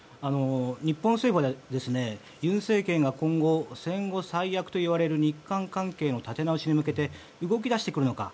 日本政府は尹政権が今後戦後最悪と言われる日韓関係の立て直しに向けて動き出してくるのか